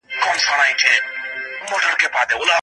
سياستپوهنه د ټولنيزو علومو مهمه برخه ګڼل کېږي.